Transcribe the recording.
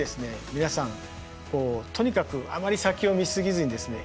皆さんこうとにかくあまり先を見すぎずにですね